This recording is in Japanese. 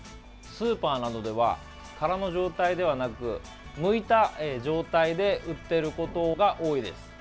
スーパーなどでは殻の状態ではなくむいた状態で売っていることが多いです。